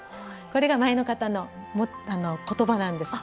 これが前の方の言葉なんです。